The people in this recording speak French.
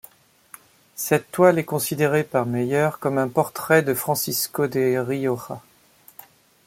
Cette toile est considérée par Mayer comme un portrait de Francisco de Rioja.